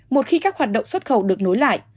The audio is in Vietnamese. một khi các hoạt động xuất khẩu được nối lại